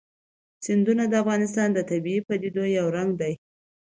سیندونه د افغانستان د طبیعي پدیدو یو رنګ دی.